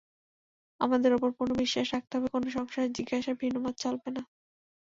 আমাদের ওপর পূর্ণ বিশ্বাস রাখতে হবে, কোনো সংশয় জিজ্ঞাসা ভিন্নমত চলবে না।